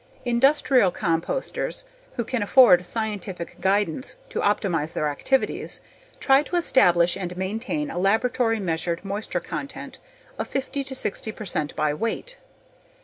Industrial composters, who can afford scientific guidance to optimize their activities, try to establish and maintain a laboratory measured moisture content of 50 to 60 percent by weight.